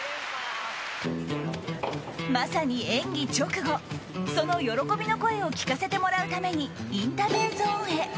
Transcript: まさに演技直後、その喜びの声を聞かせてもらうためにインタビューゾーンへ。